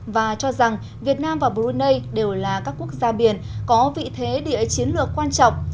và cho rằng việt nam và brunei đều là các quốc gia biển có vị thế địa chiến lược quan trọng